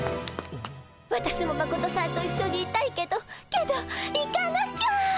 私もマコトさんと一緒にいたいけどけど行かなきゃっ！